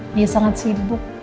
dia sangat sibuk